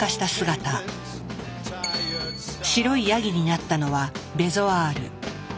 白いヤギになったのはベゾアール。